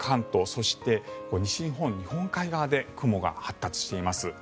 そして、西日本日本海側で雲が発達しています。